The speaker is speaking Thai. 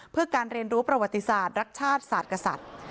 เพื่อการเรียนรู้ประวัติศาสตร์รักชาติศาสตร์กษัตริย์